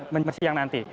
menjelaskan yang nanti